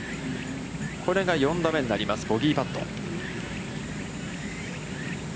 これが４打目になります、ボギーパット。